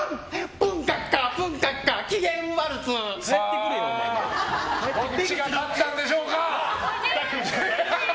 プンカッカ、プンカッカどっちが勝ったんでしょうか。